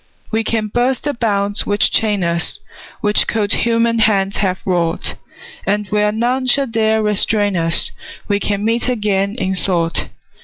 We can burst the bonds which chain us, Which cold human hands have wrought, And where none shall dare restrain us We can meet again, in thought.